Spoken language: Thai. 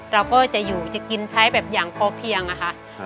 เราก็จะอยู่จะกินใช้แบบอย่างพอเพียงอะค่ะ